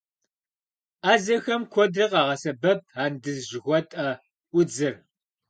Ӏэзэхэм куэдрэ къагъэсэбэп андыз жыхуэтӏэ удзыр.